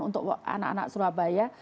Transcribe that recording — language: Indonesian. untuk anak anak surabaya